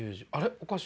おかしいな。